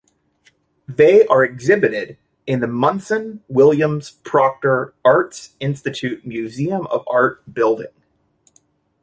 They are exhibited in the Munson-Williams-Proctor Arts Institute Museum of Art Building.